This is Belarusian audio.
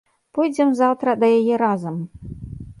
Пойдзем заўтра да яе разам.